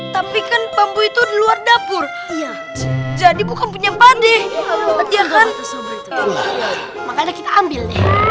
tapi kan bambu itu luar dapur jadi bukan punya pade makanya kita ambil